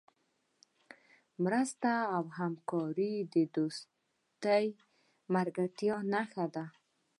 مرسته او همکاري د دوستۍ او ملګرتیا نښه ده.